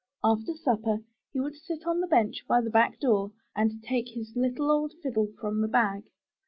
After supper he would sit on the bench by the back door and take his little old fiddle from the bag.